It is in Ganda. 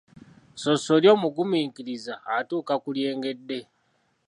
Ssossolye omugumiikiriza atuuka ku lyengedde.